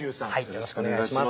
よろしくお願いします